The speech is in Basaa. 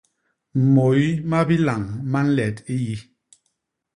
Môy ma bilañ ma nlet i yi.